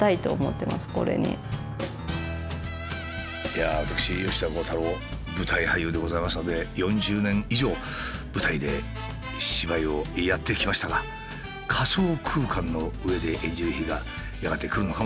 いやあ私吉田鋼太郎舞台俳優でございますので４０年以上舞台で芝居をやってきましたが仮想空間の上で演じる日がやがて来るのかもしれません。